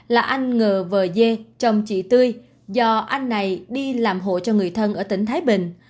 là anh ngờ vờ dê chồng chị tươi do anh này đi làm hộ cho người thân ở tỉnh thái bình